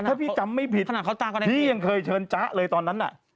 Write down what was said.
ถ้าพี่จำไม่ผิดพี่ยังเคยเชิญจ๊ะเลยตอนนั้นน่ะ